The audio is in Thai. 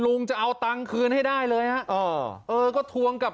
ลุงจะเอาตังค์คืนให้ได้เลยฮะเออเออก็ทวงกับ